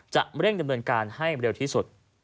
จะเร่งดำเนินการให้เร็วที่สุด